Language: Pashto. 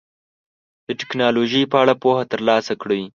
د ټکنالوژۍ په اړه پوهه ترلاسه کړئ.